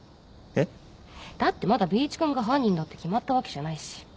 えっ？だってまだＢ一君が犯人だって決まったわけじゃないし。